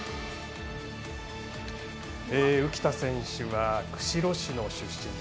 浮田選手は釧路市の出身。